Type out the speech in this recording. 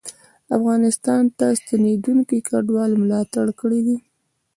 افغانستان ته ستنېدونکو کډوالو ملاتړ کړی دی